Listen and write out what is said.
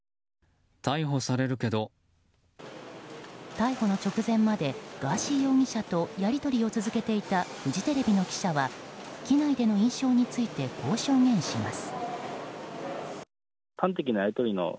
逮捕の直前までガーシー容疑者とやり取りを続けていたフジテレビの記者は機内での印象についてこう証言します。